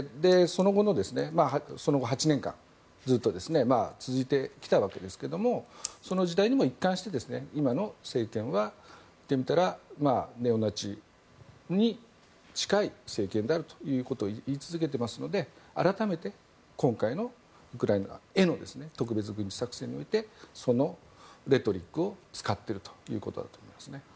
その後の８年間ずっと続いてきたわけですけどもその時代にも一貫して今の政権は言ってみたら、ネオナチに近い政権であるということを言い続けていますので改めて、今回のウクライナへの特別軍事作戦においてそのレトリックを使っているということだと思います。